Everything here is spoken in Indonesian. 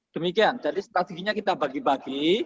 demikian jadi strateginya kita bagi bagi